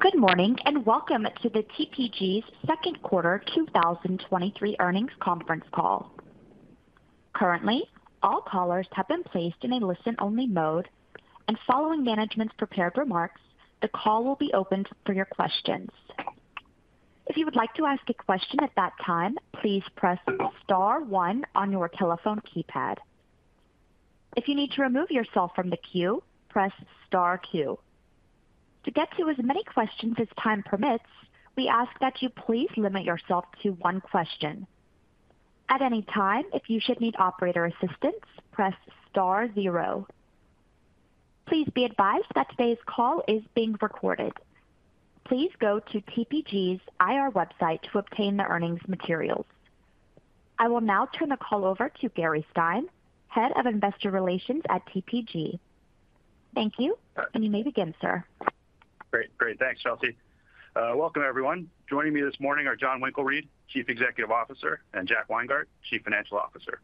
Good morning, and welcome to the TPG's Q2 2023 earnings conference call. Currently, all callers have been placed in a listen-only mode, and following management's prepared remarks, the call will be opened for your questions. If you would like to ask a question at that time, please press star one on your telephone keypad. If you need to remove yourself from the queue, press star two. To get to as many questions as time permits, we ask that you please limit yourself to one question. At any time, if you should need operator assistance, press star zero. Please be advised that today's call is being recorded. Please go to TPG's IR website to obtain the earnings materials. I will now turn the call over to Gary Stein, Head of Investor Relations at TPG. Thank you, and you may begin, sir. Great. Great. Thanks, Chelsea. Welcome, everyone. Joining me this morning are Jon Winkelried, Chief Executive Officer, and Jack Weingart, Chief Financial Officer.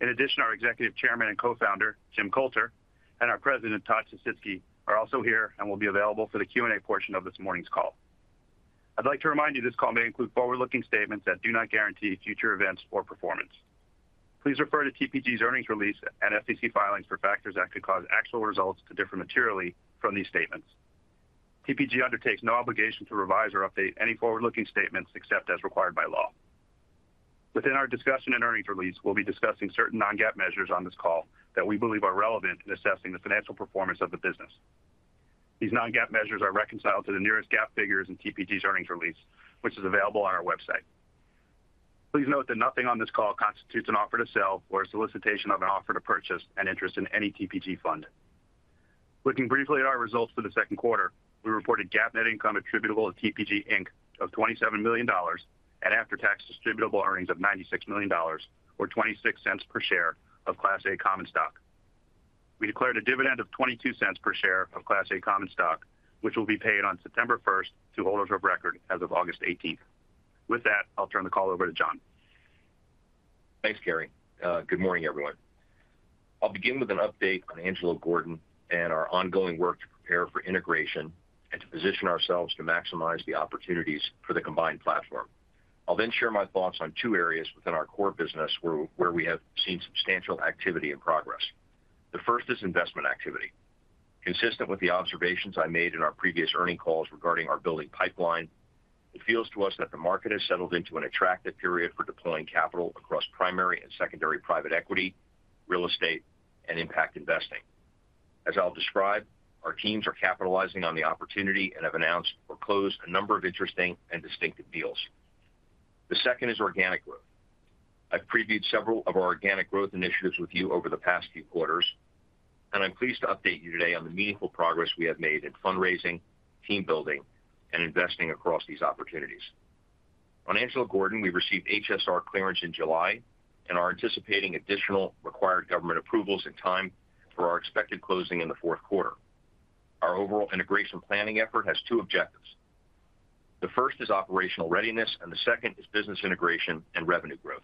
In addition, our Executive Chairman and Co-Founder, Jim Coulter, and our President, Todd Sisitsky, are also here and will be available for the Q&A portion of this morning's call. I'd like to remind you, this call may include forward-looking statements that do not guarantee future events or performance. Please refer to TPG's earnings release and SEC filings for factors that could cause actual results to differ materially from these statements. TPG undertakes no obligation to revise or update any forward-looking statements except as required by law. Within our discussion and earnings release, we'll be discussing certain non-GAAP measures on this call that we believe are relevant in assessing the financial performance of the business. These non-GAAP measures are reconciled to the nearest GAAP figures in TPG's earnings release, which is available on our website. Please note that nothing on this call constitutes an offer to sell or a solicitation of an offer to purchase an interest in any TPG fund. Looking briefly at our results for the Q2, we reported GAAP net income attributable to TPG Inc. of $27 million and after-tax distributable earnings of $96 million, or $0.26 per share of Class A common stock. We declared a dividend of $0.22 per share of Class A common stock, which will be paid on September 1st to holders of record as of August 18th. With that, I'll turn the call over to Jon. Thanks, Gary. Good morning, everyone. I'll begin with an update on Angelo Gordon and our ongoing work to prepare for integration and to position ourselves to maximize the opportunities for the combined platform. I'll then share my thoughts on two areas within our core business, where we have seen substantial activity and progress. The first is investment activity. Consistent with the observations I made in our previous earning calls regarding our building pipeline, it feels to us that the market has settled into an attractive period for deploying capital across primary and secondary private equity, real estate, and impact investing. As I'll describe, our teams are capitalizing on the opportunity and have announced or closed a number of interesting and distinctive deals. The second is organic growth. I've previewed several of our organic growth initiatives with you over the past few quarters, and I'm pleased to update you today on the meaningful progress we have made in fundraising, team building, and investing across these opportunities. On Angelo Gordon, we received HSR clearance in July and are anticipating additional required government approvals in time for our expected closing in the Q4. Our overall integration planning effort has two objectives. The first is operational readiness, and the second is business integration and revenue growth.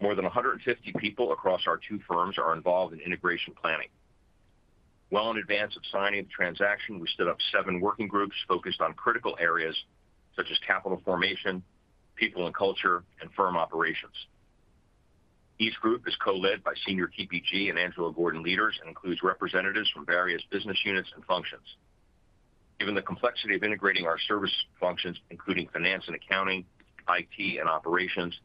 More than 150 people across our two firms are involved in integration planning. Well in advance of signing the transaction, we stood up seven working groups focused on critical areas such as capital formation, people and culture, and firm operations. Each group is co-led by senior TPG and Angelo Gordon leaders and includes representatives from various business units and functions. Given the complexity of integrating our service functions, including finance and accounting, IT, and operations,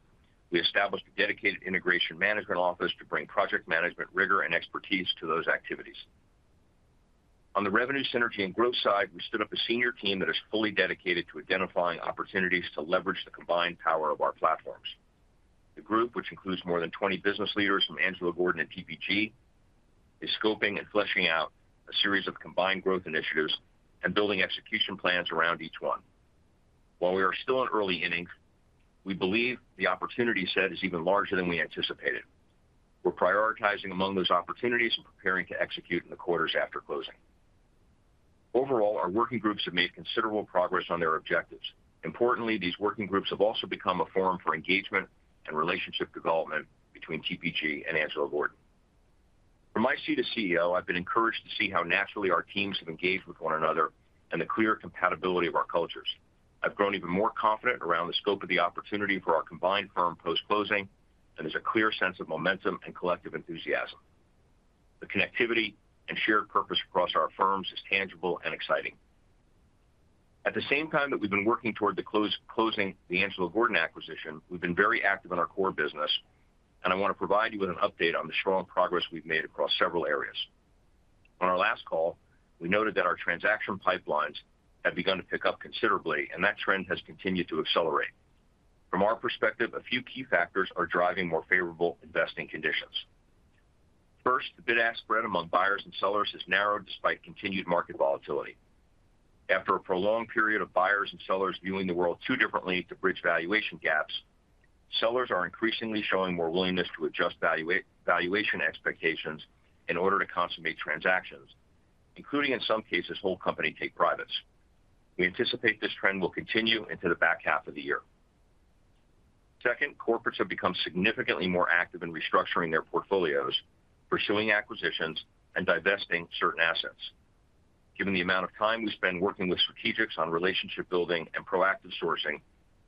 we established a dedicated integration management office to bring project management rigor and expertise to those activities. On the revenue, synergy, and growth side, we stood up a senior team that is fully dedicated to identifying opportunities to leverage the combined power of our platforms. The group, which includes more than 20 business leaders from Angelo Gordon and TPG, is scoping and fleshing out a series of combined growth initiatives and building execution plans around each one. While we are still in early innings, we believe the opportunity set is even larger than we anticipated. We're prioritizing among those opportunities and preparing to execute in the quarters after closing. Overall, our working groups have made considerable progress on their objectives. Importantly, these working groups have also become a forum for engagement and relationship development between TPG and Angelo Gordon. From my seat as CEO, I've been encouraged to see how naturally our teams have engaged with one another and the clear compatibility of our cultures. I've grown even more confident around the scope of the opportunity for our combined firm post-closing. There's a clear sense of momentum and collective enthusiasm. The connectivity and shared purpose across our firms is tangible and exciting. At the same time that we've been working toward closing the Angelo Gordon acquisition, we've been very active in our core business. I want to provide you with an update on the strong progress we've made across several areas. On our last call, we noted that our transaction pipelines had begun to pick up considerably. That trend has continued to accelerate. From our perspective, a few key factors are driving more favorable investing conditions. First, the bid-ask spread among buyers and sellers has narrowed despite continued market volatility. After a prolonged period of buyers and sellers viewing the world too differently to bridge valuation gaps, sellers are increasingly showing more willingness to adjust valuation expectations in order to consummate transactions, including, in some cases, whole company take-privates. We anticipate this trend will continue into the back half of the year. Second, corporates have become significantly more active in restructuring their portfolios, pursuing acquisitions, and divesting certain assets. Given the amount of time we spend working with strategics on relationship building and proactive sourcing,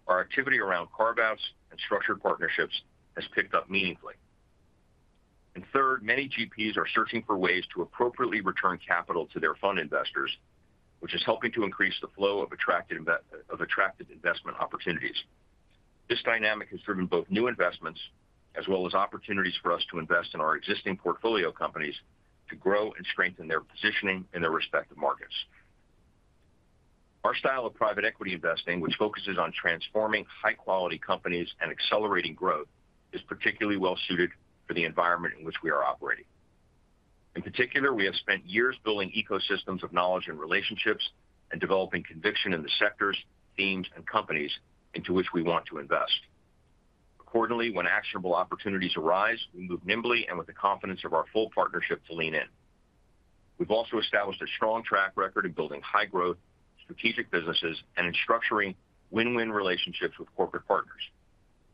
our activity around carve-outs and structured partnerships has picked up meaningfully. Third, many GPs are searching for ways to appropriately return capital to their fund investors, which is helping to increase the flow of attractive investment opportunities. This dynamic has driven both new investments as well as opportunities for us to invest in our existing portfolio companies to grow and strengthen their positioning in their respective markets. Our style of private equity investing, which focuses on transforming high-quality companies and accelerating growth, is particularly well suited for the environment in which we are operating. In particular, we have spent years building ecosystems of knowledge and relationships and developing conviction in the sectors, themes, and companies into which we want to invest. Accordingly, when actionable opportunities arise, we move nimbly and with the confidence of our full partnership to lean in. We've also established a strong track record in building high-growth, strategic businesses and in structuring win-win relationships with corporate partners.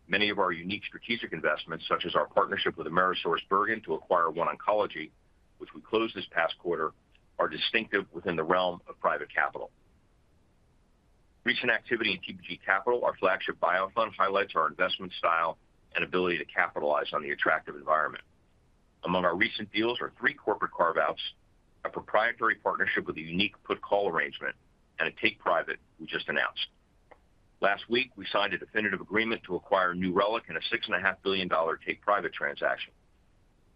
Many of our unique strategic investments, such as our partnership with AmerisourceBergen to acquire OneOncology, which we closed this past quarter, are distinctive within the realm of private capital. Recent activity in TPG Capital, our flagship buyout fund, highlights our investment style and ability to capitalize on the attractive environment. Among our recent deals are three corporate carve-outs, a proprietary partnership with a unique put-call arrangement, and a take-private we just announced. Last week, we signed a definitive agreement to acquire New Relic in a $6.5 billion take-private transaction.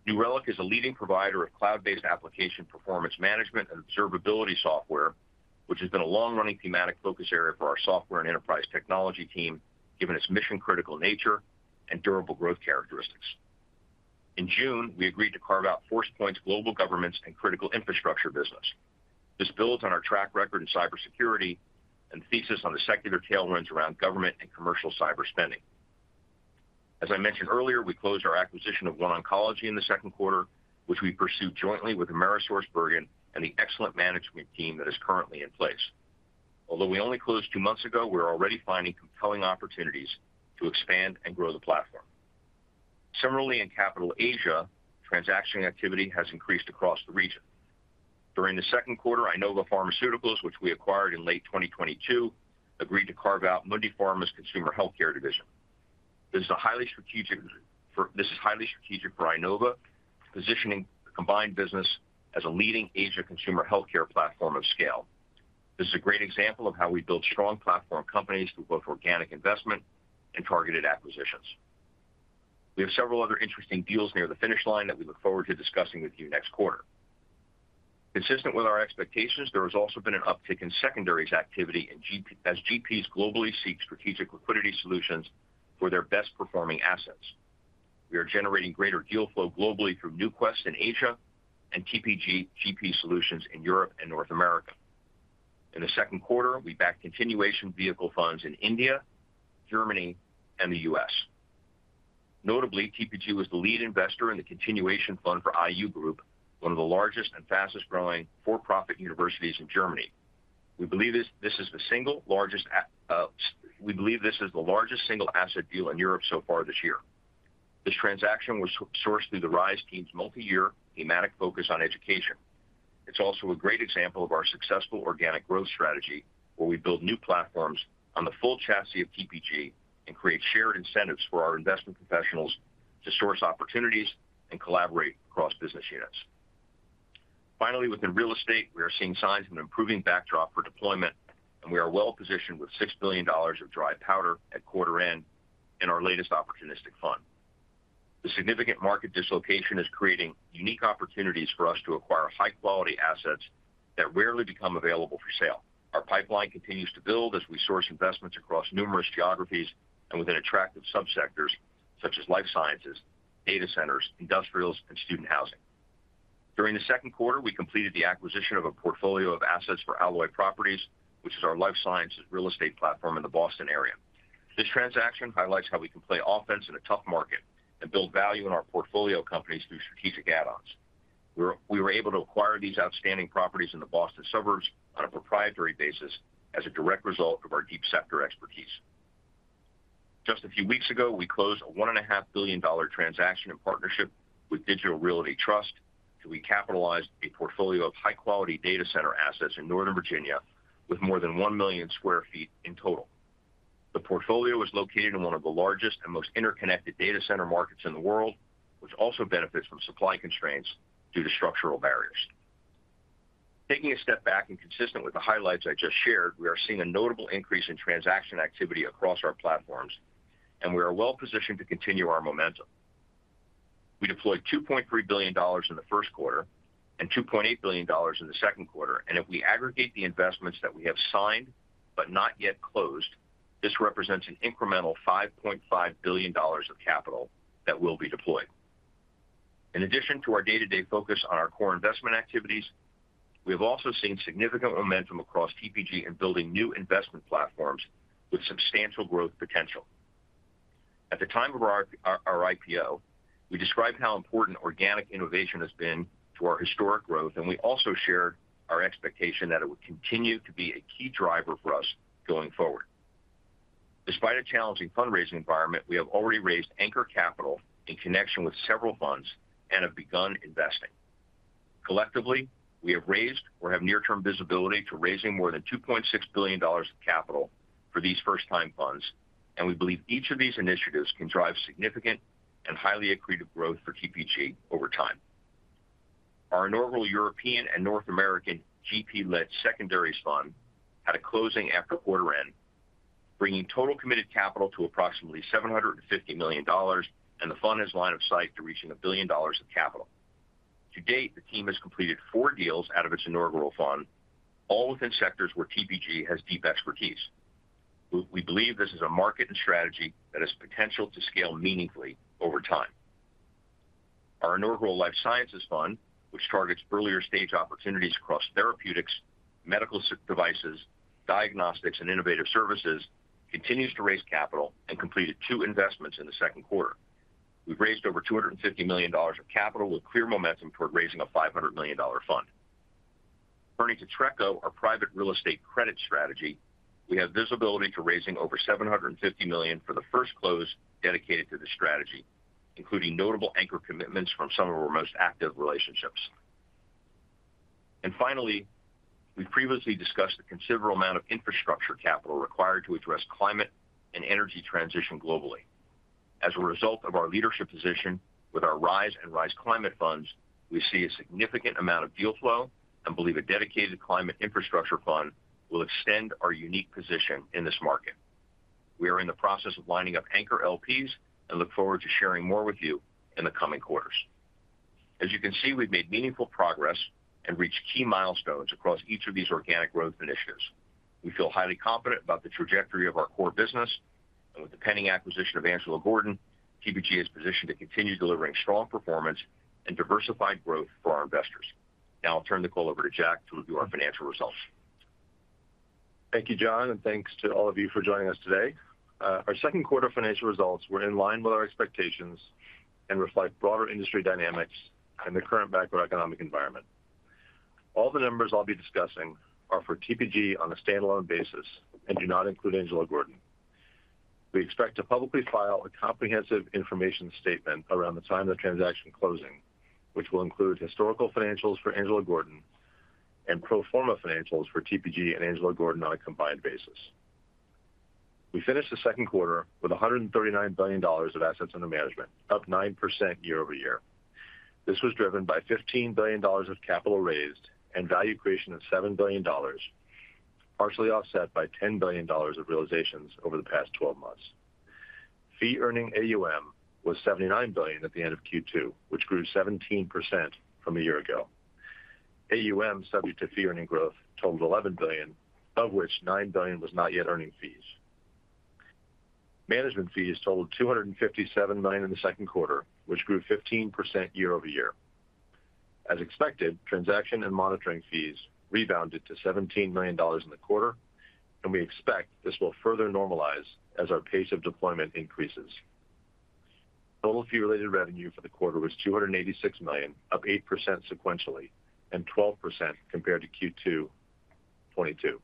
New Relic is a leading provider of cloud-based application performance management and observability software, which has been a long-running thematic focus area for our software and enterprise technology team, given its mission-critical nature and durable growth characteristics. In June, we agreed to carve out Forcepoint's global governments and critical infrastructure business. This builds on our track record in cybersecurity and thesis on the secular tailwinds around government and commercial cyber spending. As I mentioned earlier, we closed our acquisition of OneOncology in the Q2, which we pursued jointly with AmerisourceBergen and the excellent management team that is currently in place. Although we only closed 2 months ago, we're already finding compelling opportunities to expand and grow the platform. Similarly, in Capital Asia, transaction activity has increased across the region. During the Q2, iNova Pharmaceuticals, which we acquired in late 2022, agreed to carve out Mundipharma's consumer healthcare division. This is highly strategic for iNova, positioning the combined business as a leading Asia consumer healthcare platform of scale. This is a great example of how we build strong platform companies through both organic investment and targeted acquisitions. We have several other interesting deals near the finish line that we look forward to discussing with you next quarter. Consistent with our expectations, there has also been an uptick in secondaries activity as GPs globally seek strategic liquidity solutions for their best-performing assets. We are generating greater deal flow globally through NewQuest in Asia and TPG GP Solutions in Europe and North America. In the Q2, we backed continuation vehicle funds in India, Germany, and the U.S. Notably, TPG was the lead investor in the continuation fund for IU Group, one of the largest and fastest-growing for-profit universities in Germany. We believe this is the largest single asset deal in Europe so far this year. This transaction was sourced through the Rise team's multi-year thematic focus on education. It's also a great example of our successful organic growth strategy, where we build new platforms on the full chassis of TPG and create shared incentives for our investment professionals to source opportunities and collaborate across business units. Finally, within real estate, we are seeing signs of an improving backdrop for deployment, and we are well positioned with $6 billion of dry powder at quarter end in our latest opportunistic fund. The significant market dislocation is creating unique opportunities for us to acquire high-quality assets that rarely become available for sale. Our pipeline continues to build as we source investments across numerous geographies and within attractive subsectors such as life sciences, data centers, industrials, and student housing. During the Q2, we completed the acquisition of a portfolio of assets for Alloy Properties, which is our life sciences real estate platform in the Boston area. This transaction highlights how we can play offense in a tough market and build value in our portfolio companies through strategic add-ons. We were able to acquire these outstanding properties in the Boston suburbs on a proprietary basis as a direct result of our deep sector expertise. Just a few weeks ago, we closed a $1.5 billion transaction in partnership with Digital Realty Trust, and we capitalized a portfolio of high-quality data center assets in Northern Virginia with more than 1 million sq ft in total. The portfolio was located in one of the largest and most interconnected data center markets in the world, which also benefits from supply constraints due to structural barriers. Taking a step back and consistent with the highlights I just shared, we are seeing a notable increase in transaction activity across our platforms, and we are well positioned to continue our momentum. We deployed $2.3 billion in the Q1 and $2.8 billion in the Q2. If we aggregate the investments that we have signed but not yet closed, this represents an incremental $5.5 billion of capital that will be deployed. In addition to our day-to-day focus on our core investment activities, we have also seen significant momentum across TPG in building new investment platforms with substantial growth potential. At the time of our IPO, we described how important organic innovation has been to our historic growth. We also shared our expectation that it would continue to be a key driver for us going forward. Despite a challenging fundraising environment, we have already raised anchor capital in connection with several funds and have begun investing. Collectively, we have raised or have near-term visibility to raising more than $2.6 billion of capital for these first-time funds, and we believe each of these initiatives can drive significant and highly accretive growth for TPG over time. Our inaugural European and North American GP-led secondaries fund had a closing after quarter end, bringing total committed capital to approximately $750 million, and the fund has line of sight to reaching $1 billion of capital. To date, the team has completed four deals out of its inaugural fund, all within sectors where TPG has deep expertise. We believe this is a market and strategy that has potential to scale meaningfully over time. Our inaugural life sciences fund, which targets earlier stage opportunities across therapeutics, medical devices, diagnostics, and innovative services, continues to raise capital and completed two investments in the Q2. We've raised over $250 million of capital with clear momentum toward raising a $500 million fund. Turning to TRECO, our private real estate credit strategy, we have visibility to raising over $750 million for the first close dedicated to this strategy, including notable anchor commitments from some of our most active relationships. Finally, we previously discussed the considerable amount of infrastructure capital required to address climate and energy transition globally. As a result of our leadership position with our Rise and Rise Climate funds, we see a significant amount of deal flow and believe a dedicated climate infrastructure fund will extend our unique position in this market. We are in the process of lining up anchor LPs and look forward to sharing more with you in the coming quarters. As you can see, we've made meaningful progress and reached key milestones across each of these organic growth initiatives. We feel highly confident about the trajectory of our core business, and with the pending acquisition of Angelo Gordon, TPG is positioned to continue delivering strong performance and diversified growth for our investors. Now I'll turn the call over to Jack to review our financial results. Thank you, John, and thanks to all of you for joining us today. Our Q2 financial results were in line with our expectations and reflect broader industry dynamics and the current macroeconomic environment. All the numbers I'll be discussing are for TPG on a standalone basis and do not include Angelo Gordon. We expect to publicly file a comprehensive information statement around the time of the transaction closing, which will include historical financials for Angelo Gordon and pro forma financials for TPG and Angelo Gordon on a combined basis. We finished the Q2 with $139 billion of assets under management, up 9% year-over-year. This was driven by $15 billion of capital raised and value creation of $7 billion, partially offset by $10 billion of realizations over the past 12 months. Fee-earning AUM was $79 billion at the end of Q2, which grew 17% from a year ago. AUM subject to fee-earning growth totaled $11 billion, of which $9 billion was not yet earning fees. Management fees totaled $257 million in the Q2, which grew 15% year-over-year. As expected, transaction and monitoring fees rebounded to $17 million in the quarter. We expect this will further normalize as our pace of deployment increases. Total fee-related revenue for the quarter was $286 million, up 8% sequentially and 12% compared to Q2 '22.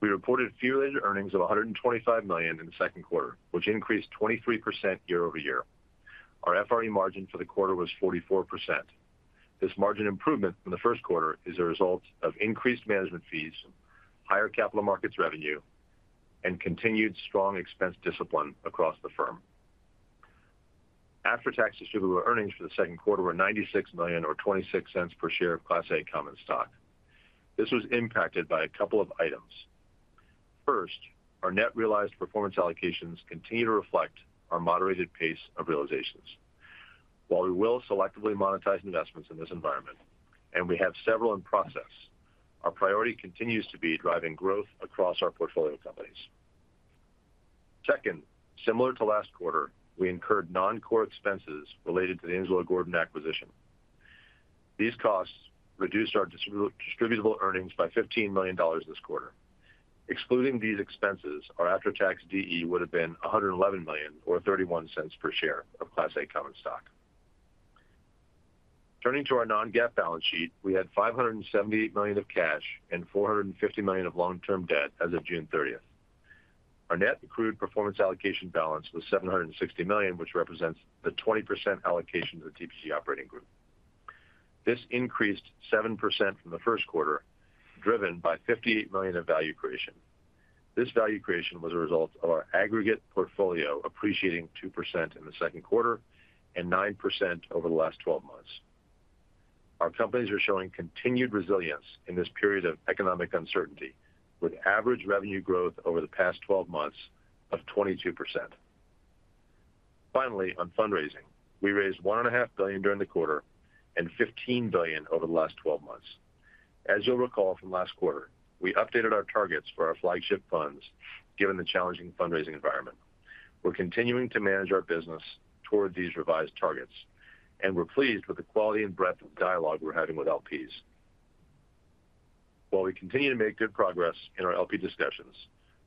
We reported fee-related earnings of $125 million in the Q2, which increased 23% year-over-year. Our FRE margin for the quarter was 44%. This margin improvement from the Q1 is a result of increased management fees, higher capital markets revenue, and continued strong expense discipline across the firm. After-tax distributable earnings for the Q2 were $96 million or $0.26 per share of Class A common stock. This was impacted by a couple of items. First, our net realized performance allocations continue to reflect our moderated pace of realizations. While we will selectively monetize investments in this environment, and we have several in process, our priority continues to be driving growth across our portfolio companies. Second, similar to last quarter, we incurred non-core expenses related to the Angelo Gordon acquisition. These costs reduced our distributable earnings by $15 million this quarter. Excluding these expenses, our after-tax DE would have been $111 million or $0.31 per share of Class A common stock. Turning to our non-GAAP balance sheet, we had $578 million of cash and $450 million of long-term debt as of June 30th. Our net accrued performance allocation balance was $760 million, which represents the 20% allocation to the TPG Operating Group. This increased 7% from the Q1, driven by $58 million of value creation. This value creation was a result of our aggregate portfolio appreciating 2% in the Q2 and 9% over the last 12 months. Our companies are showing continued resilience in this period of economic uncertainty, with average revenue growth over the past 12 months of 22%. Finally, on fundraising, we raised $1.5 billion during the quarter and $15 billion over the last 12 months. As you'll recall from last quarter, we updated our targets for our flagship funds given the challenging fundraising environment. We're continuing to manage our business toward these revised targets, and we're pleased with the quality and breadth of dialogue we're having with LPs. While we continue to make good progress in our LP discussions,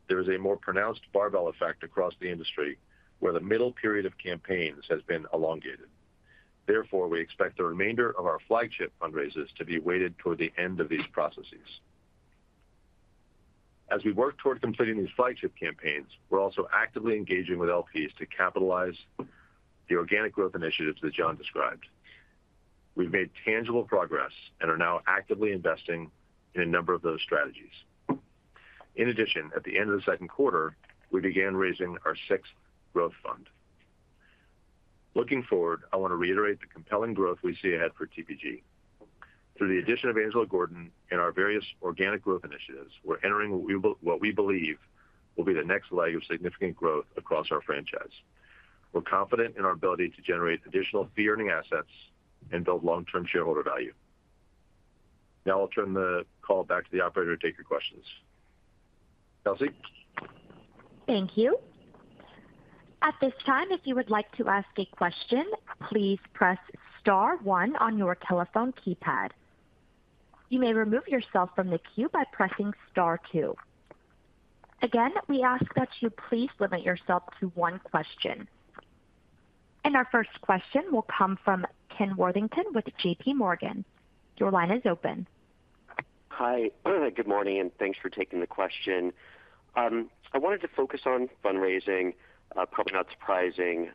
there is a more pronounced barbell effect across the industry where the middle period of campaigns has been elongated. Therefore, we expect the remainder of our flagship fundraisers to be weighted toward the end of these processes. As we work toward completing these flagship campaigns, we're also actively engaging with LPs to capitalize the organic growth initiatives that Jon described. We've made tangible progress and are now actively investing in a number of those strategies. In addition, at the end of the Q2, we began raising our sixth growth fund. Looking forward, I want to reiterate the compelling growth we see ahead for TPG. Through the addition of Angelo Gordon and our various organic growth initiatives, we're entering what we believe will be the next leg of significant growth across our franchise. We're confident in our ability to generate additional fee-earning assets and build long-term shareholder value. Now I'll turn the call back to the operator to take your questions. Kelsey? Thank you. At this time, if you would like to ask a question, please press star one on your telephone keypad. You may remove yourself from the queue by pressing star two. Again, we ask that you please limit yourself to one question. Our first question will come from Ken Worthington with J.P. Morgan. Your line is open. Hi. Good morning, thanks for taking the question. I wanted to focus on fundraising, probably not surprising.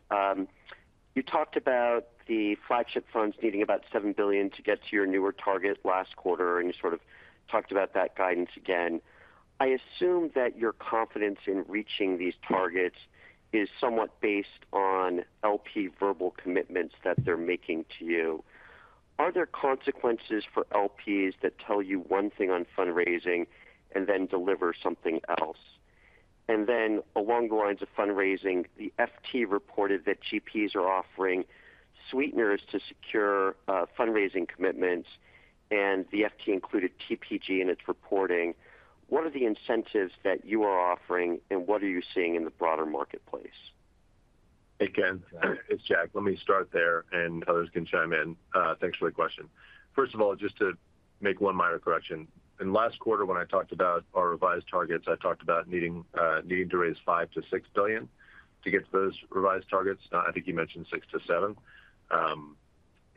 You talked about the flagship funds needing about $7 billion to get to your newer target last quarter, you sort of talked about that guidance again. I assume that your confidence in reaching these targets is somewhat based on LP verbal commitments that they're making to you. Are there consequences for LPs that tell you one thing on fundraising and then deliver something else? Then along the lines of fundraising, the FT reported that GPs are offering sweeteners to secure fundraising commitments, the FT included TPG in its reporting. What are the incentives that you are offering, what are you seeing in the broader marketplace? Hey, Ken, it's Jack. Let me start there. Others can chime in. Thanks for the question. First of all, just to make 1 minor correction. In last quarter, when I talked about our revised targets, I talked about needing to raise $5 billion to 6 billion to get to those revised targets. I think you mentioned $6 billion to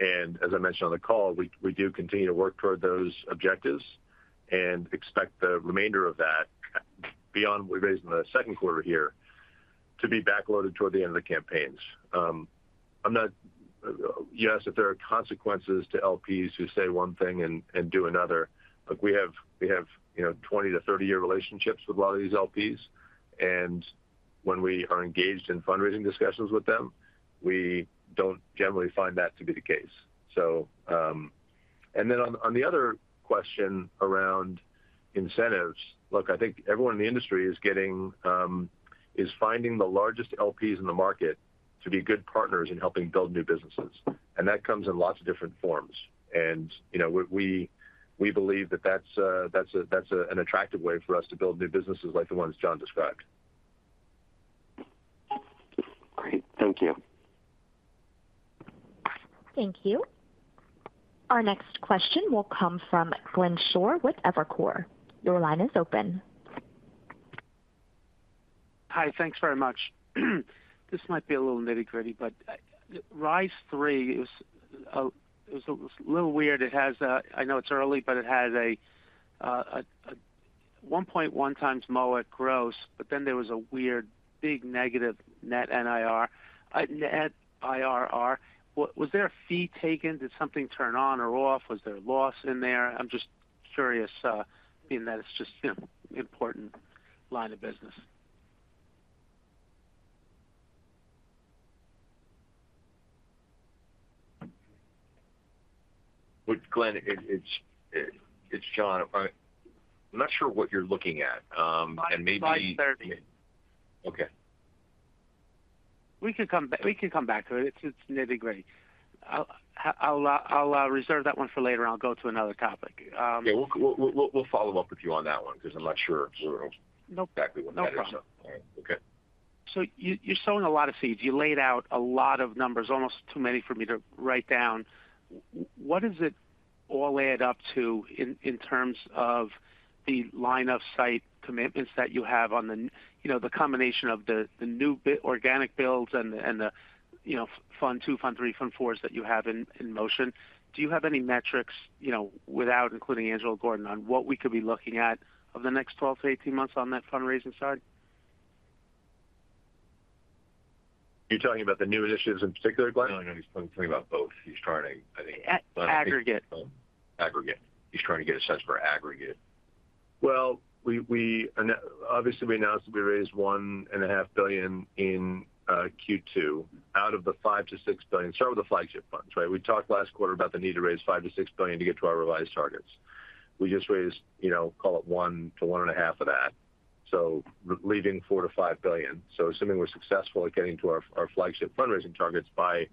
7 billion. As I mentioned on the call, we do continue to work toward those objectives and expect the remainder of that, beyond what we raised in the Q2 here, to be backloaded toward the end of the campaigns. I'm not. Yes, if there are consequences to LPs who say one thing and do another. Look, we have, we have, you know, 20 to 30-year relationships with a lot of these LPs, and when we are engaged in fundraising discussions with them, we don't generally find that to be the case. Then on, on the other question around incentives, look, I think everyone in the industry is getting, is finding the largest LPs in the market to be good partners in helping build new businesses, and that comes in lots of different forms. You know, we, we believe that that's, that's a, that's an attractive way for us to build new businesses like the ones John described. Great. Thank you. Thank you. Our next question will come from Glenn Schorr with Evercore. Your line is open. Hi, thanks very much. This might be a little nitty-gritty, but Rise Three is a little weird. I know it's early, but it has a 1.1x MOIC gross, but then there was a weird, big negative net NIR, net IRR. Was there a fee taken? Did something turn on or off? Was there a loss in there? I'm just curious, being that it's just, you know, important line of business. Well, Glenn, it, it's, it's Jon. I'm not sure what you're looking at. Slide 30. Okay. We could come back, we can come back to it. It's, it's nitty-gritty. I'll, I'll, I'll reserve that one for later. I'll go to another topic. Yeah, we'll, we'll, we'll follow up with you on that one because I'm not sure exactly what that is. No problem. Okay. You, you're sowing a lot of seeds. You laid out a lot of numbers, almost too many for me to write down. What does it all add up to in, in terms of the line of sight commitments that you have on the, you know, the combination of the, the new bit organic builds and the, and the, you know, fund 2, fund 3, fund 4s that you have in, in motion? Do you have any metrics, you know, without including Angelo Gordon, on what we could be looking at over the next 12-18 months on that fundraising side? You're talking about the new initiatives in particular, Glenn? No, no, he's talking about both. He's trying, I think. Aggregate. Aggregate. He's trying to get a sense for aggregate. Well, we Obviously, we announced that we raised $1.5 billion in Q2 out of the $5 billion to 6 billion. Start with the flagship funds, right? We talked last quarter about the need to raise $5 billion-$6 billion to get to our revised targets. We just raised, you know, call it $1 billion to 1.5 billion of that, so leaving $4 billion to 5 billion. Assuming we're successful at getting to our flagship fundraising targets by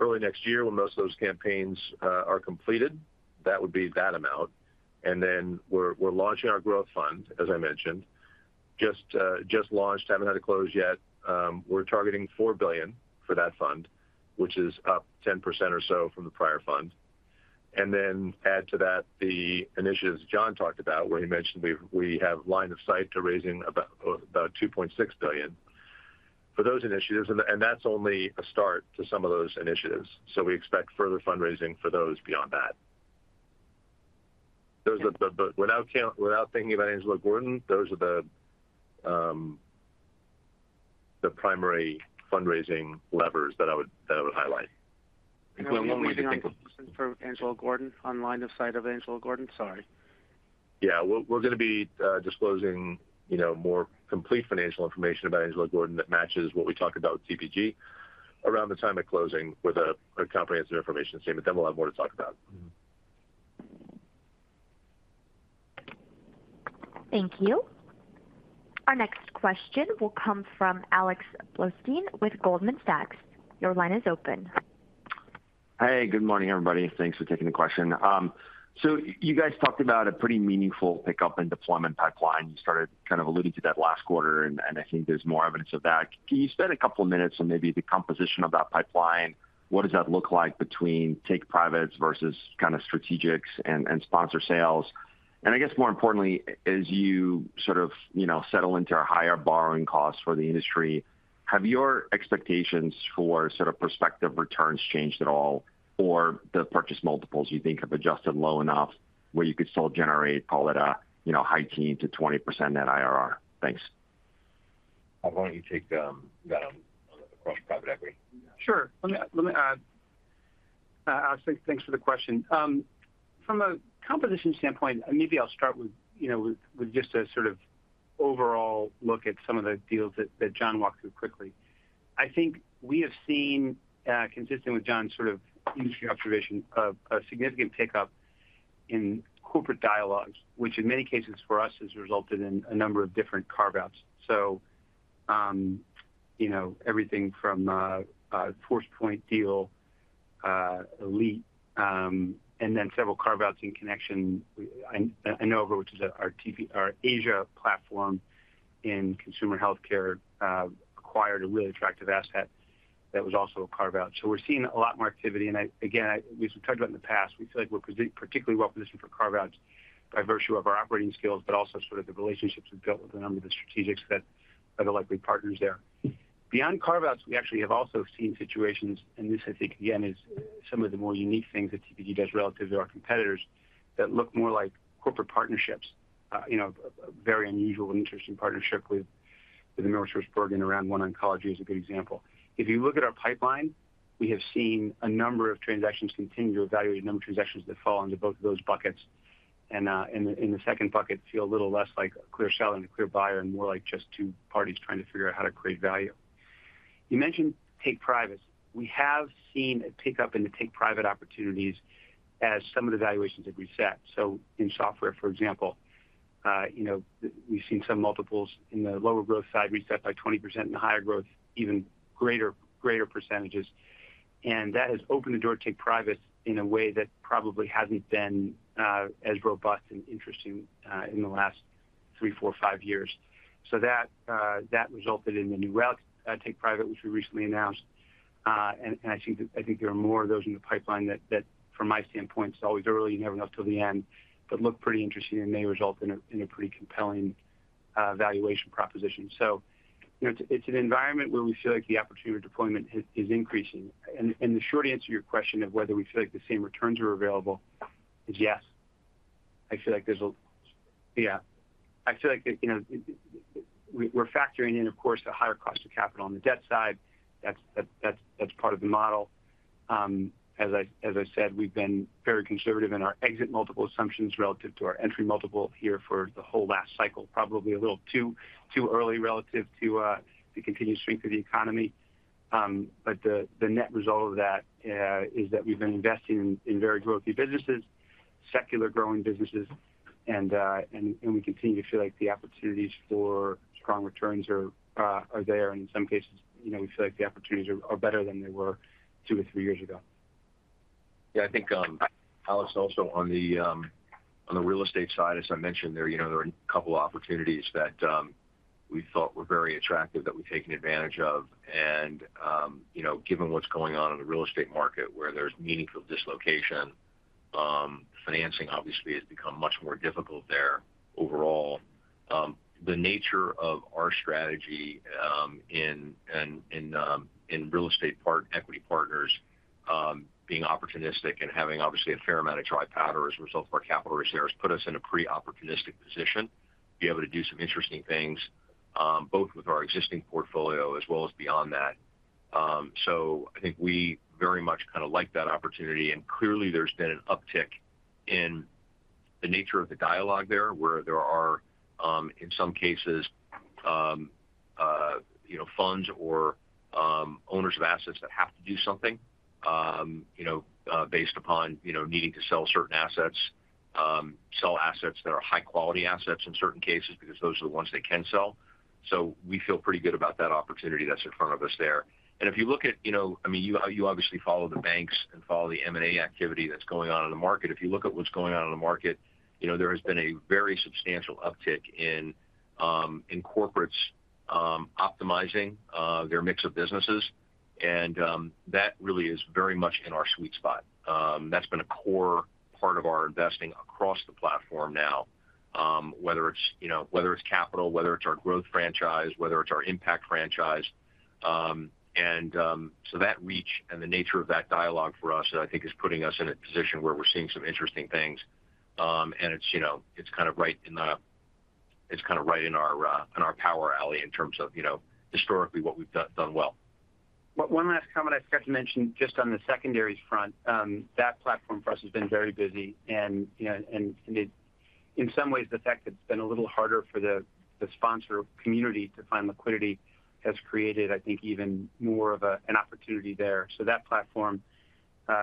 early next year, when most of those campaigns are completed, that would be that amount. Then we're, we're launching our growth fund, as I mentioned.... just, just launched, haven't had a close yet. We're targeting $4 billion for that fund, which is up 10% or so from the prior fund. Then add to that the initiatives Jon talked about, where he mentioned we, we have line of sight to raising about, about $2.6 billion for those initiatives, and that's only a start to some of those initiatives. We expect further fundraising for those beyond that. Those are the, without count, without thinking about Angelo Gordon, those are the primary fundraising levers that I would, that I would highlight. Are we waiting on for Angelo Gordon, on line of sight of Angelo Gordon? Sorry. Yeah, we're, we're going to be disclosing, you know, more complete financial information about Angelo Gordon that matches what we talked about with TPG around the time of closing with a, a comprehensive information statement, then we'll have more to talk about. Thank you. Our next question will come from Alex Blostein with Goldman Sachs. Your line is open. Hey, good morning, everybody. Thanks for taking the question. You guys talked about a pretty meaningful pickup in deployment pipeline. You started kind of alluding to that last quarter, and I think there's more evidence of that. Can you spend a couple of minutes on maybe the composition of that pipeline? What does that look like between take privates versus kind of strategics and sponsor sales? I guess more importantly, as you sort of, you know, settle into our higher borrowing costs for the industry, have your expectations for sort of prospective returns changed at all, or the purchase multiples you think have adjusted low enough where you could still generate, call it a, you know, high teen to 20% net IRR? Thanks. Why don't you take, that, across private equity? Sure. Let me, let me add. Alex, thanks for the question. From a competition standpoint, maybe I'll start with, you know, with, with just a sort of overall look at some of the deals that, that Jon walked through quickly. I think we have seen, consistent with Jon, sort of industry observation, of a significant pickup in corporate dialogues, which in many cases for us, has resulted in a number of different carve-outs. You know, everything from Forcepoint deal, Elite, and then several carve-outs in connection. I, I know of which is our Asia platform in consumer healthcare, acquired a really attractive asset that was also a carve-out. We're seeing a lot more activity. Again, we've talked about in the past, we feel like we're particularly well positioned for carve-outs by virtue of our operating skills, but also sort of the relationships we've built with a number of the strategics that are the likely partners there. Beyond carve-outs, we actually have also seen situations, and this, I think, again, is some of the more unique things that TPG does relative to our competitors, that look more like corporate partnerships. You know, a very unusual interesting partnership with AmerisourceBergen around OneOncology is a good example. If you look at our pipeline, we have seen a number of transactions continue to evaluate, a number of transactions that fall under both of those buckets. In the second bucket, feel a little less like a clear seller and a clear buyer, and more like just two parties trying to figure out how to create value. You mentioned take-privates. We have seen a pickup in the take-private opportunities as some of the valuations have reset. In software, for example, you know, we've seen some multiples in the lower growth side reset by 20%, and the higher growth, even greater, greater percentages. That has opened the door to take-privates in a way that probably hasn't been as robust and interesting in the last three, four, five years. That resulted in the New Relic take-private, which we recently announced. And I think, I think there are more of those in the pipeline that, that from my standpoint, it's always early, you never know till the end, but look pretty interesting and may result in a, in a pretty compelling valuation proposition. You know, it's, it's an environment where we feel like the opportunity for deployment is, is increasing. And the short answer to your question of whether we feel like the same returns are available is yes. I feel like there's, yeah, I feel like, you know, we're factoring in, of course, the higher cost of capital on the debt side. That's, that's, that's part of the model. As I, as I said, we've been very conservative in our exit multiple assumptions relative to our entry multiple here for the whole last cycle. Probably a little too, too early relative to the continued strength of the economy. The, the net result of that is that we've been investing in, in very growthy businesses, secular growing businesses, and, and we continue to feel like the opportunities for strong returns are there. In some cases, you know, we feel like the opportunities are, are better than they were two or three years ago. Yeah, I think, Alex, also on the, on the real estate side, as I mentioned, there, you know, there are a couple of opportunities that, we thought were very attractive that we've taken advantage of. You know, given what's going on in the real estate market, where there's meaningful dislocation, financing obviously has become much more difficult there overall. The nature of our strategy, in, in, in, in real estate part-- equity partners, being opportunistic and having obviously a fair amount of dry powder as a result of our capital reserves, put us in a pretty opportunistic position to be able to do some interesting things, both with our existing portfolio as well as beyond that. I think we very much kind of like that opportunity, and clearly there's been an uptick in the nature of the dialogue there, where there are, in some cases, you know, funds or owners of assets that have to do something, you know, based upon, you know, needing to sell certain assets, sell assets that are high-quality assets in certain cases, because those are the ones they can sell. We feel pretty good about that opportunity that's in front of us there. If you look at, you know, I mean, you, you obviously follow the banks and follow the M&A activity that's going on in the market. If you look at what's going on in the market, you know, there has been a very substantial uptick in, in corporates, optimizing, their mix of businesses, and, that really is very much in our sweet spot. That's been a core part of our investing across the platform now, whether it's, you know, whether it's capital, whether it's our growth franchise, whether it's our impact franchise. So that reach and the nature of that dialogue for us, I think, is putting us in a position where we're seeing some interesting things. It's, you know, it's kind of right in our, in our power alley in terms of, you know, historically what we've done, done well. One last comment I forgot to mention, just on the secondaries front, that platform for us has been very busy, and, you know, and, and in some ways, the fact it's been a little harder for the, the sponsor community to find liquidity has created, I think, even more of an opportunity there. That platform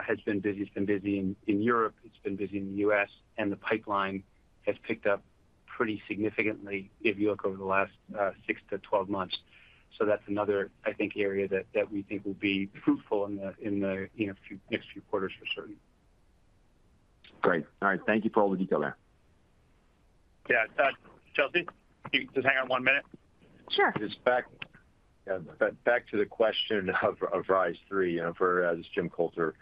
has been busy. It's been busy in Europe, it's been busy in the US, and the pipeline has picked up pretty significantly if you look over the last 6-12 months. That's another, I think, area that we think will be fruitful in the, in the, you know, next few quarters for sure. Great. All right. Thank you for all the detail there. Yeah, Chelsea, can you just hang on 1 minute? Sure. Just back, back to the question of, of Rise Three. You know, for, as Jim Coulter,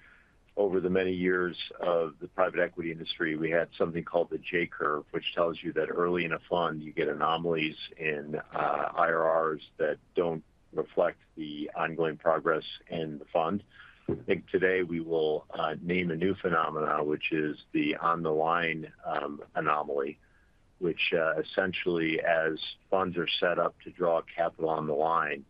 over the many years of the private equity industry, we had something called the J-curve, which tells you that early in a fund, you get anomalies in IRRs that don't reflect the ongoing progress in the fund. I think today we will name a new phenomenon, which is the on the line anomaly, which essentially, as funds are set up to draw capital on the line,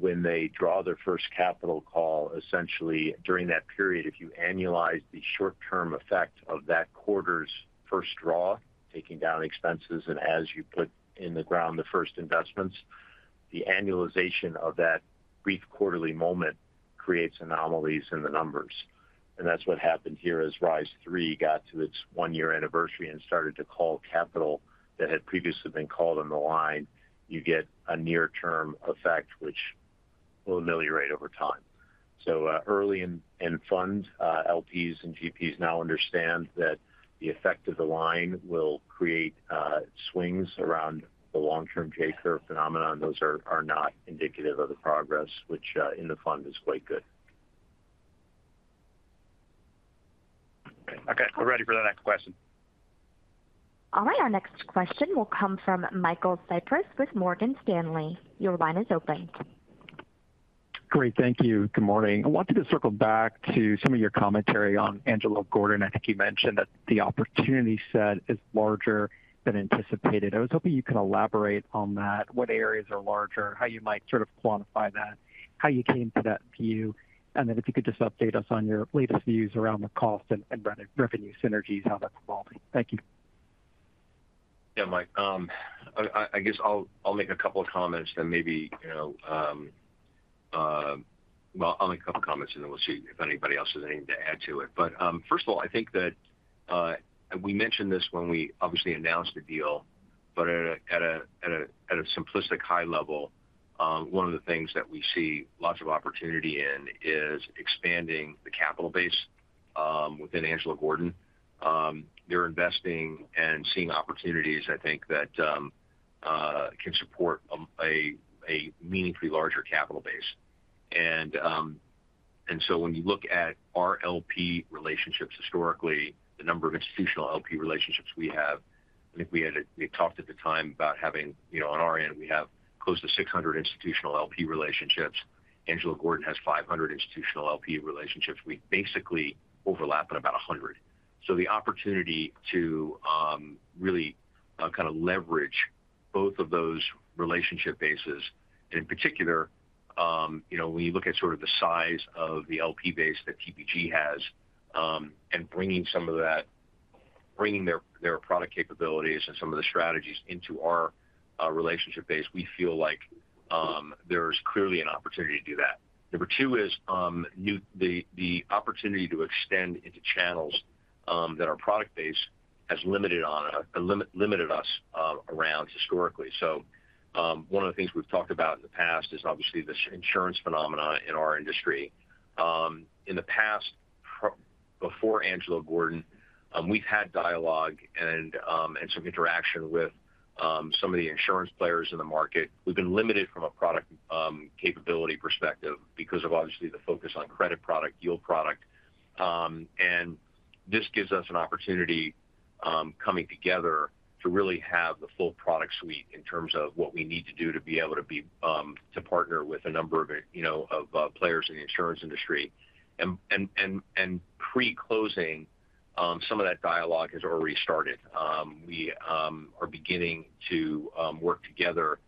when they draw their first capital call, essentially during that period, if you annualize the short-term effect of that quarter's first draw, taking down expenses, and as you put in the ground the first investments, the annualization of that brief quarterly moment creates anomalies in the numbers. That's what happened here as Rise Three got to its one-year anniversary and started to call capital that had previously been called on the line. You get a near-term effect, which will ameliorate over time. Early in, in fund, LPs and GPs now understand that the effect of the line will create swings around the long-term J-curve phenomenon. Those are, are not indicative of the progress, which in the fund is quite good. Okay, we're ready for the next question. Our next question will come from Michael Cyprys with Morgan Stanley. Your line is open. Great, thank you. Good morning. I wanted to circle back to some of your commentary on Angelo Gordon. I think you mentioned that the opportunity set is larger than anticipated. I was hoping you could elaborate on that, what areas are larger, how you might sort of quantify that, how you came to that view, and then if you could just update us on your latest views around the cost and revenue synergies, how that's evolving? Thank you. Yeah, Mike, I guess I'll make a couple of comments, then maybe, you know, well, I'll make a couple of comments, and then we'll see if anybody else has anything to add to it. First of all, I think that, and we mentioned this when we obviously announced the deal, but at a simplistic high level, one of the things that we see lots of opportunity in is expanding the capital base, within Angelo Gordon. They're investing and seeing opportunities, I think that can support a meaningfully larger capital base. When you look at our LP relationships historically, the number of institutional LP relationships we have, I think we talked at the time about having, you know, on our end, we have close to 600 institutional LP relationships. Angelo Gordon has 500 institutional LP relationships. We basically overlap at about 100. The opportunity to really kind of leverage both of those relationship bases, and in particular, you know, when you look at sort of the size of the LP base that TPG has, and bringing some of that, bringing their, their product capabilities and some of the strategies into our relationship base, we feel like there's clearly an opportunity to do that. Number two is the opportunity to extend into channels that our product base has limited on, limited us around historically. One of the things we've talked about in the past is obviously this insurance phenomenon in our industry. In the past, before Angelo Gordon, we've had dialogue and some interaction with some of the insurance players in the market. We've been limited from a product capability perspective because of obviously the focus on credit product, yield product. This gives us an opportunity, coming together to really have the full product suite in terms of what we need to do to be able to be, to partner with a number of, you know, players in the insurance industry. Pre-closing, some of that dialogue has already started. We are beginning to work together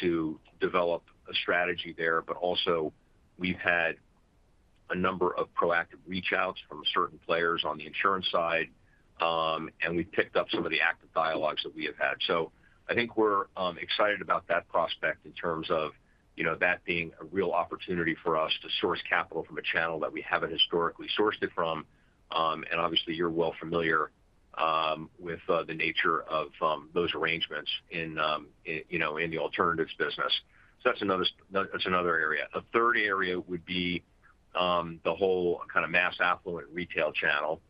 to develop a strategy there, but also we've had a number of proactive reach outs from certain players on the insurance side, and we've picked up some of the active dialogues that we have had. I think we're excited about that prospect in terms of you know, that being a real opportunity for us to source capital from a channel that we haven't historically sourced it from. Obviously, you're well familiar with the nature of those arrangements in, in, you know, in the alternatives business. That's another that's another area. A third area would be the whole kind of mass affluent retail channel,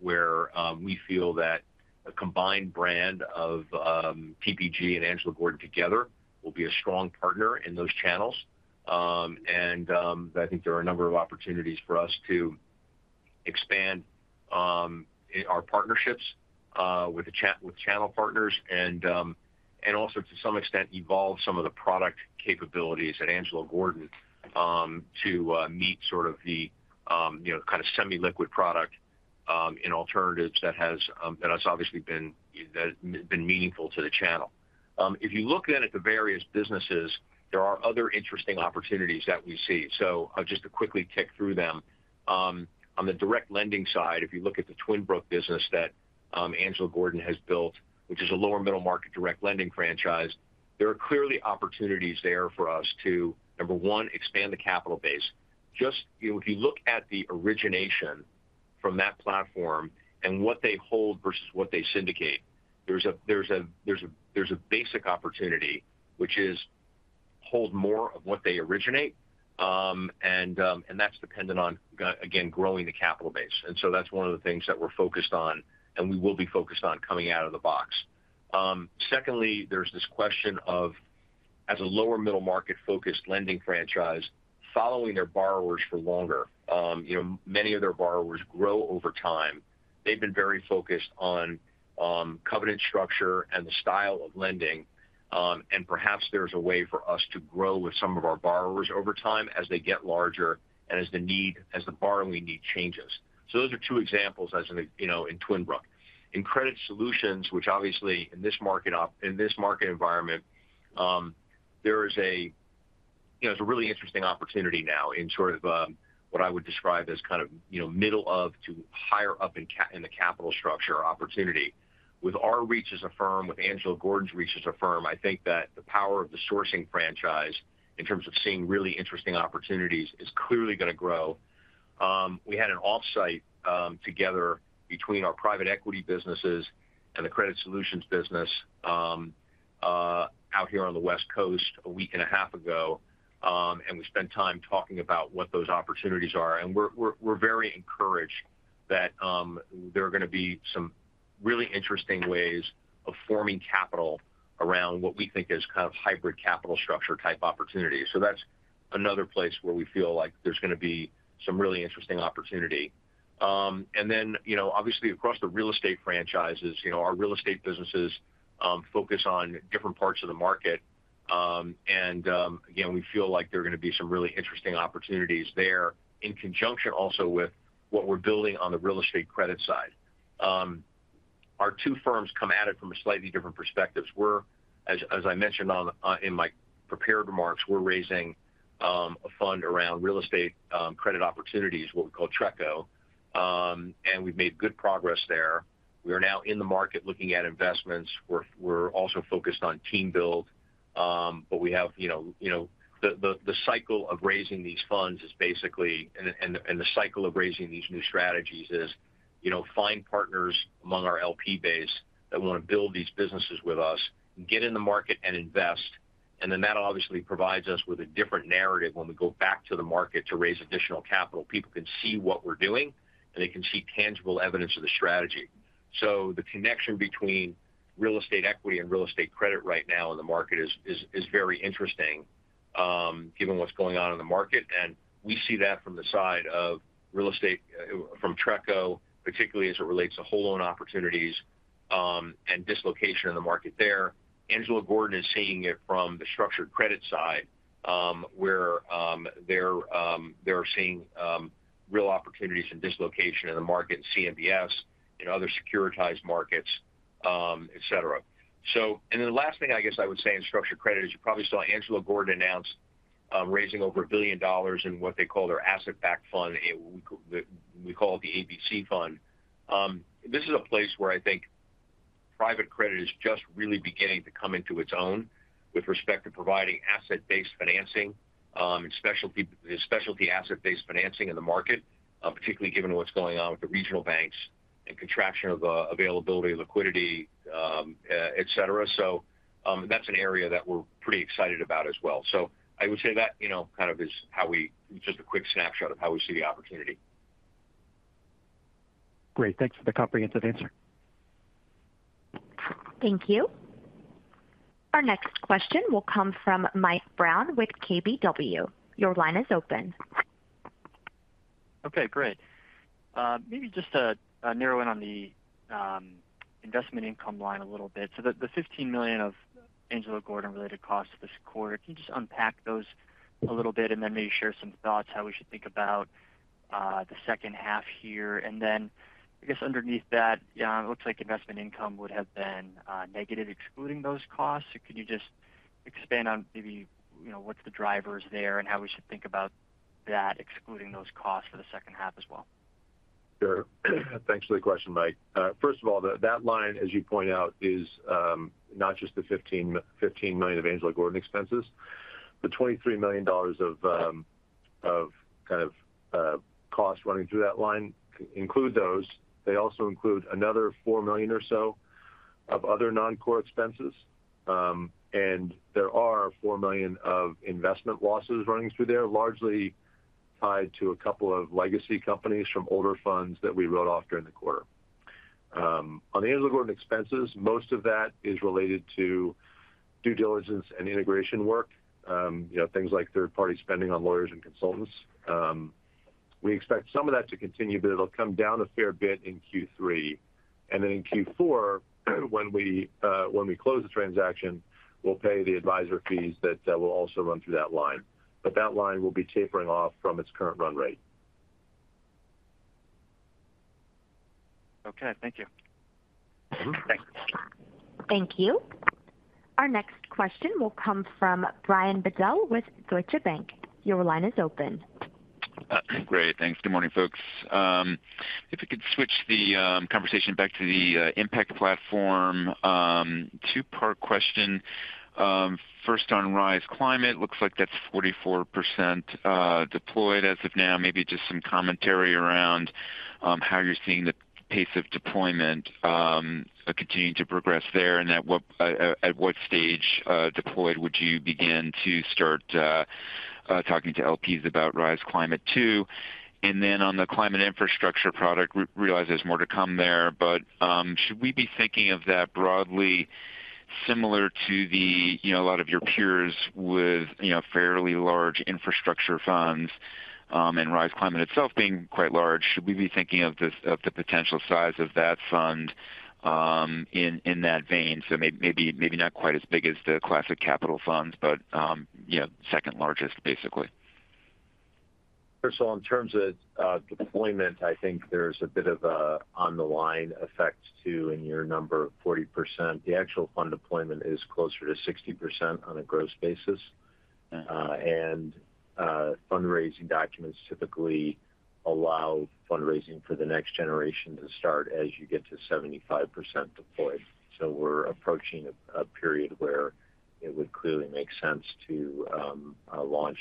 where we feel that a combined brand of TPG and Angelo Gordon together will be a strong partner in those channels. I think there are a number of opportunities for us to expand our partnerships with channel partners and also, to some extent, evolve some of the product capabilities at Angelo Gordon to meet sort of the, you know, kind of semi-liquid product in alternatives that has that has obviously been that has been meaningful to the channel. If you look then at the various businesses, there are other interesting opportunities that we see. Just to quickly tick through them. On the direct lending side, if you look at the Twin Brook business that Angelo Gordon has built, which is a lower middle market direct lending franchise, there are clearly opportunities there for us to, number one, expand the capital base. Just, you know, if you look at the origination from that platform and what they hold versus what they syndicate, there's a, there's a, there's a, there's a basic opportunity, which is hold more of what they originate. And that's dependent on, again, growing the capital base. That's one of the things that we're focused on and we will be focused on coming out of the box. Secondly, there's this question of, as a lower middle market-focused lending franchise, following their borrowers for longer. You know, many of their borrowers grow over time. They've been very focused on, covenant structure and the style of lending. Perhaps there's a way for us to grow with some of our borrowers over time as they get larger and as the borrowing need changes. Those are two examples, as in, you know, in Twin Brook. In credit solutions, which obviously in this market environment, there is a, you know, it's a really interesting opportunity now in sort of, what I would describe as kind of, you know, middle of to higher up in the capital structure opportunity. With our reach as a firm, with Angelo Gordon's reach as a firm, I think that the power of the sourcing franchise in terms of seeing really interesting opportunities is clearly going to grow. We had an off-site, together between our private equity businesses and the credit solutions business, out here on the West Coast, a week and a half ago, and we spent time talking about what those opportunities are, and we're, we're, we're very encouraged that there are going to be some really interesting ways of forming capital around what we think is kind of hybrid capital structure type opportunities. That's another place where we feel like there's going to be some really interesting opportunity. Then, you know, obviously, across the real estate franchises, you know, our real estate businesses, focus on different parts of the market. Again, we feel like there are going to be some really interesting opportunities there in conjunction also with what we're building on the real estate credit side. Our two firms come at it from a slightly different perspectives. We're, as, as I mentioned on, in my prepared remarks, we're raising a fund around real estate credit opportunities, what we call TRECO. And we've made good progress there. We are now in the market looking at investments. We're, we're also focused on team build. But we have, you know, you know, the, the, the cycle of raising these funds is basically, and the, and the, and the cycle of raising these new strategies is, you know, find partners among our LP base that want to build these businesses with us, get in the market and invest. Then that obviously provides us with a different narrative when we go back to the market to raise additional capital. People can see what we're doing, and they can see tangible evidence of the strategy. The connection between real estate equity and real estate credit right now in the market is, is, is very interesting, given what's going on in the market. We see that from the side of real estate, from TRECO, particularly as it relates to whole loan opportunities, and dislocation in the market there. Angelo Gordon is seeing it from the structured credit side, where they're seeing real opportunities and dislocation in the market, CMBS and other securitized markets, et cetera. Then the last thing I guess I would say in structured credit is you probably saw Angelo Gordon announce, raising over $1 billion in what they call their asset-backed fund, we call it the ABC fund. This is a place where I think private credit is just really beginning to come into its own with respect to providing asset-based financing, and specialty, specialty asset-based financing in the market, particularly given what's going on with the regional banks and contraction of, availability, liquidity, et cetera. That's an area that we're pretty excited about as well. I would say that, you know, kind of is how we-- just a quick snapshot of how we see the opportunity. Great. Thanks for the comprehensive answer. Thank you. Our next question will come from Mike Brown with KBW. Your line is open. Okay, great. Maybe just to narrow in on the investment income line a little bit. The, the $15 million of Angelo Gordon related costs this quarter, can you just unpack those a little bit and then maybe share some thoughts how we should think about the second half here? I guess underneath that, it looks like investment income would have been negative, excluding those costs. Could you just expand on maybe, you know, what's the drivers there and how we should think about that, excluding those costs for the second half as well? Sure. Thanks for the question, Mike. First of all, that, that line, as you point out, is not just the $15 million of Angelo Gordon expenses. The $23 million of kind of costs running through that line include those. They also include another $4 million or so of other non-core expenses. There are $4 million of investment losses running through there, largely tied to a couple of legacy companies from older funds that we wrote off during the quarter. On the Angelo Gordon expenses, most of that is related to due diligence and integration work, you know, things like third-party spending on lawyers and consultants. We expect some of that to continue, it'll come down a fair bit in Q3. Then in Q4, when we close the transaction, we'll pay the advisor fees that, will also run through that line. That line will be tapering off from its current run rate. Okay, thank you. Mm-hmm. Thanks. Thank you. Our next question will come from Brian Bedell with Deutsche Bank. Your line is open. Great, thanks. Good morning, folks. If you could switch the conversation back to the impact platform, two-part question. First on Rise Climate, looks like that's 44% deployed as of now. Maybe just some commentary around how you're seeing the pace of deployment continuing to progress there, and at what stage deployed, would you begin to start talking to LPs about Rise Climate Two? Then on the climate infrastructure product, realize there's more to come there, but should we be thinking of that broadly similar to the, you know, a lot of your peers with, you know, fairly large infrastructure funds, and Rise Climate itself being quite large? Should we be thinking of this, of the potential size of that fund, in, in that vein? Maybe, maybe not quite as big as the classic capital funds, but, you know, second largest, basically. First of all, in terms of deployment, I think there's a bit of a on the line effect, too, in your number of 40%. The actual fund deployment is closer to 60% on a gross basis. Mm-hmm. Fundraising documents typically allow fundraising for the next generation to start as you get to 75% deployed. We're approaching a period where it would clearly make sense to launch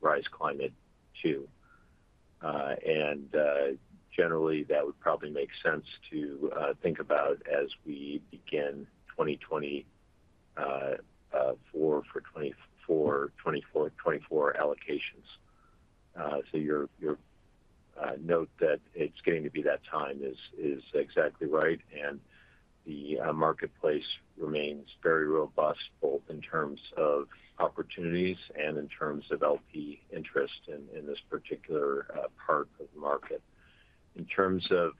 Rise Climate Two. Generally, that would probably make sense to think about as we begin 2024 for 2024 allocations. Your note that it's getting to be that time is exactly right, and the marketplace remains very robust, both in terms of opportunities and in terms of LP interest in this particular part of the market. In terms of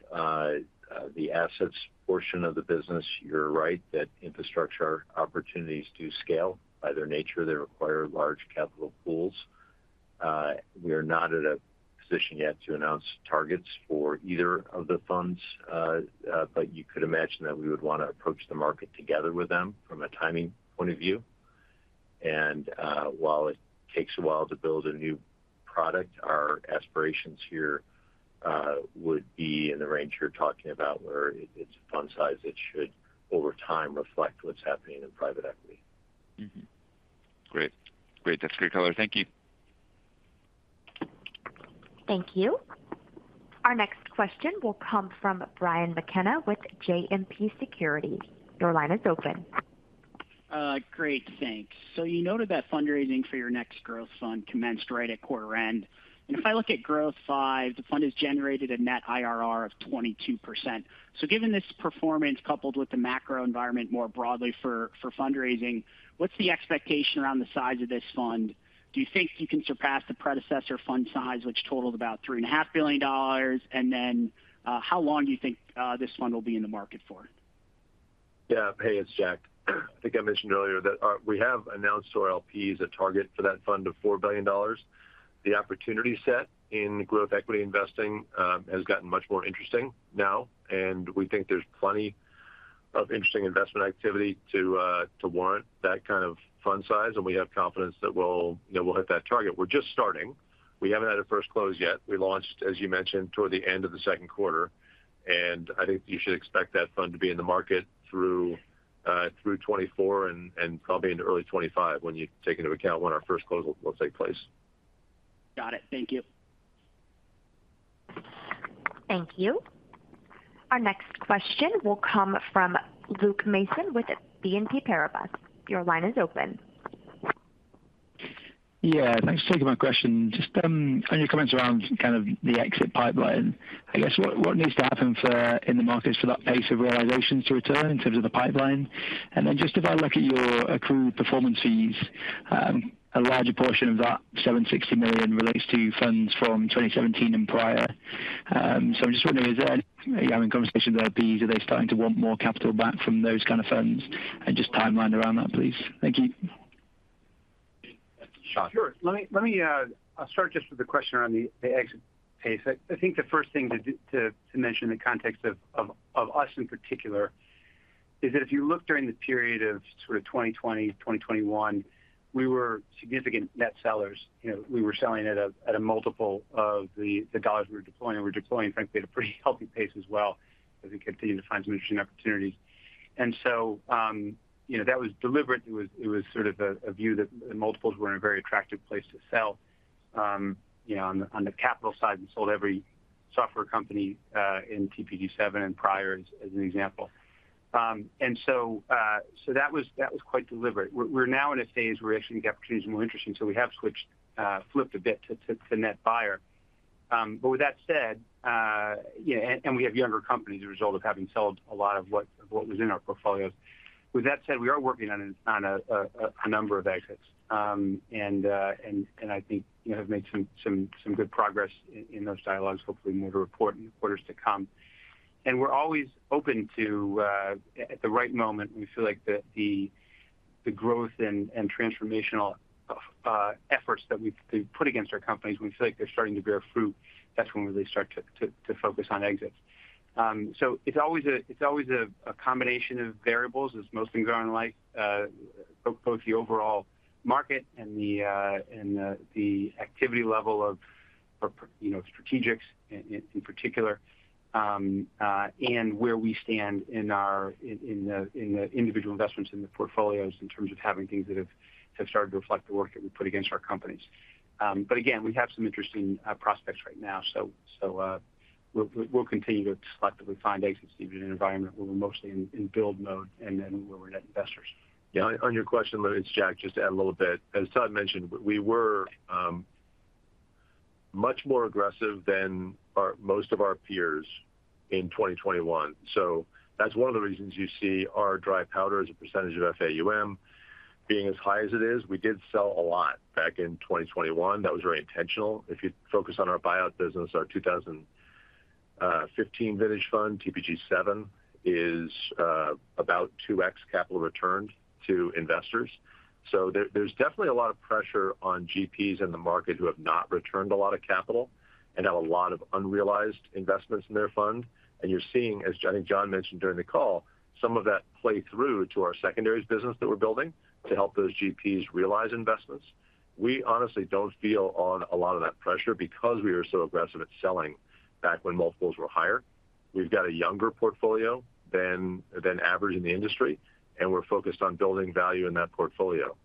the assets portion of the business, you're right that infrastructure opportunities do scale. By their nature, they require large capital pools. We are not at a position yet to announce targets for either of the funds, but you could imagine that we would want to approach the market together with them from a timing point of view. While it takes a while to build a new product, our aspirations here would be in the range you're talking about, where it's a fund size that should, over time, reflect what's happening in private equity. Mm-hmm. Great. Great. That's great color. Thank you. Thank you. Our next question will come from Brian McKenna with JMP Securities. Your line is open. Great. Thanks. You noted that fundraising for your next growth fund commenced right at quarter end. If I look at Growth Five, the fund has generated a net IRR of 22%. Given this performance, coupled with the macro environment more broadly for, for fundraising, what's the expectation around the size of this fund? Do you think you can surpass the predecessor fund size, which totaled about $3.5 billion? Then, how long do you think this fund will be in the market for? Yeah. Hey, it's Jack. I think I mentioned earlier that we have announced to our LPs a target for that fund of $4 billion. The opportunity set in growth equity investing has gotten much more interesting now, and we think there's plenty of interesting investment activity to warrant that kind of fund size, and we have confidence that we'll, you know, we'll hit that target. We're just starting. We haven't had a first close yet. We launched, as you mentioned, toward the end of the Q2, and I think you should expect that fund to be in the market through 2024 and probably into early 2025, when you take into account when our first close will, will take place. Got it. Thank you. Thank you. Our next question will come from Luke Mason with BNP Paribas. Your line is open. Yeah, thanks for taking my question. Just on your comments around kind of the exit pipeline, I guess, what, what needs to happen in the markets for that pace of realizations to return in terms of the pipeline? If I look at your accrued performance fees, a larger portion of that, $760 million, relates to funds from 2017 and prior. So I'm just wondering, is there any, I mean, conversations with LPs, are they starting to want more capital back from those kind of funds? Just timeline around that, please. Thank you. Sure. Sure. Let me, let me, I'll start just with the question around the, the exit pace. I, I think the first thing to mention in the context of us in particular,... is that if you look during the period of sort of 2020, 2021, we were significant net sellers. You know, we were selling at a, at a multiple of the, the dollars we were deploying. We're deploying, frankly, at a pretty healthy pace as well, as we continue to find some interesting opportunities. You know, that was deliberate. It was, it was sort of a, a view that the multiples were in a very attractive place to sell. You know, on the, on the capital side, we sold every software company in TPG Seven and prior, as an example. So that was, that was quite deliberate. We're now in a phase where actually the opportunity is more interesting, so we have switched, flipped a bit to net buyer. With that said, yeah, and we have younger companies as a result of having sold a lot of what was in our portfolios. With that said, we are working on a number of exits. I think, you know, have made some good progress in those dialogues. Hopefully, more to report in quarters to come. We're always open to, at the right moment, we feel like the growth and transformational efforts that we've put against our companies, we feel like they're starting to bear fruit. That's when we really start to focus on exits. It's always a, it's always a, a combination of variables, as most things are in life, both, both the overall market and the, and the, the activity level of, for, you know, strategics in, in particular. Where we stand in our, in, in the, in the individual investments in the portfolios in terms of having things that have, have started to reflect the work that we put against our companies. Again, we have some interesting, prospects right now, so, so, we'll, we'll, we'll continue to selectively find exits in an environment where we're mostly in, in build mode and then where we're net investors. Yeah, on, on your question, it's Jack, just to add a little bit. As Todd mentioned, we were much more aggressive than most of our peers in 2021. That's one of the reasons you see our dry powder as a percentage of FAUM being as high as it is. We did sell a lot back in 2021. That was very intentional. If you focus on our buyout business, our 2015 vintage fund, TPG Seven, is about 2x capital returned to investors. There, there's definitely a lot of pressure on GPs in the market who have not returned a lot of capital and have a lot of unrealized investments in their fund. You're seeing, as I think John mentioned during the call, some of that play through to our secondaries business that we're building to help those GPs realize investments. We honestly don't feel on a lot of that pressure because we are so aggressive at selling back when multiples were higher. We've got a younger portfolio than average in the industry, and we're focused on building value in that portfolio,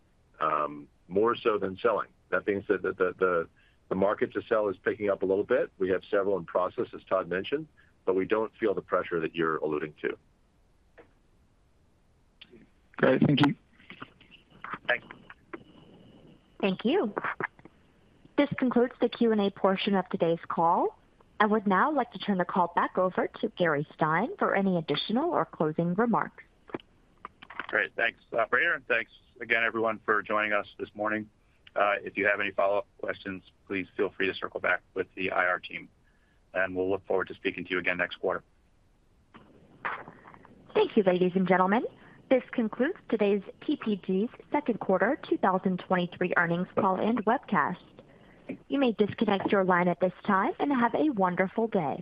more so than selling. That being said, the market to sell is picking up a little bit. We have several in process, as Todd mentioned, but we don't feel the pressure that you're alluding to. Great. Thank you. Thanks. Thank you. This concludes the Q&A portion of today's call. I would now like to turn the call back over to Gary Stein for any additional or closing remarks. Great. Thanks, operator, and thanks again, everyone, for joining us this morning. If you have any follow-up questions, please feel free to circle back with the IR team, and we'll look forward to speaking to you again next quarter. Thank you, ladies and gentlemen. This concludes today's TPG's second quarter 2023 earnings call and webcast. You may disconnect your line at this time, and have a wonderful day.